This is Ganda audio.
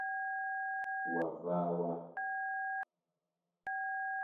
Wava wa?